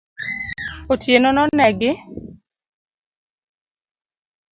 Otieno no negi.